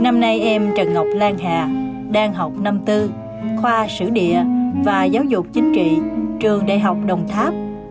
năm nay em trần ngọc lan hà đang học năm tư khoa sử địa và giáo dục chính trị trường đại học đồng tháp